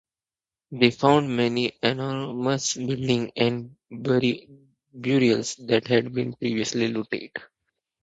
They found many enormous buildings and burials that had been previously looted.